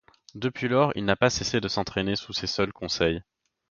Depuis lors, il n'a pas cessé de s'entraîner sous ses seuls conseils.